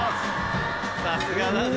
さすがだぜ。